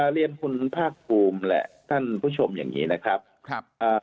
เลียนภูมิผ้าคลุมแหละท่านผู้ชมอย่างนี้นะครับ